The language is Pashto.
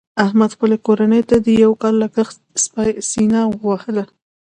احمد خپلې کورنۍ ته د یو کال لګښت سینه ووهله.